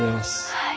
はい。